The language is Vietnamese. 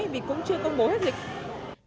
vì cũng chưa công bố hết dịch